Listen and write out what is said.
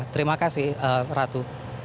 terima kasih ratu